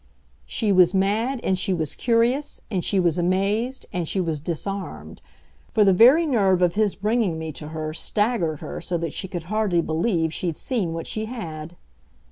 She was mad, and she was curious, and she was amazed, and she was disarmed; for the very nerve of his bringing me to her staggered her so that she could hardly believe she'd seen what she had.